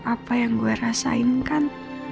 apa yang gue rasain kan